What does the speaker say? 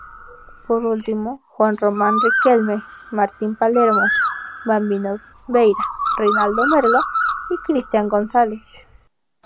Por último, Juan Román Riquelme, Martín Palermo, Bambino Veira, Reinaldo Merlo y Cristian González.